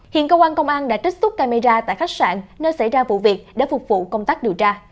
hiện công an công an đã trích túc camera tại khách sạn nơi xảy ra vụ việc để phục vụ công tác điều tra